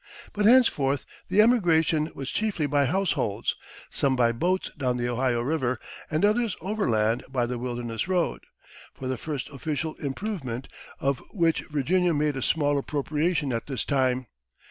But henceforth the emigration was chiefly by households, some by boats down the Ohio River, and others overland by the Wilderness Road for the first official improvement of which Virginia made a small appropriation at this time.